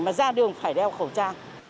mà ra đường phải đeo khẩu trang